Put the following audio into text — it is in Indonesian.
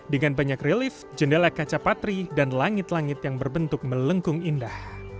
dengan banyak relift jendela kaca patri dan langit langit yang berbentuk melengkung indah